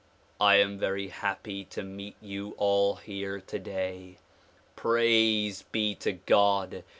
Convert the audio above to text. I am very happy to meet you all here today. Praise be to God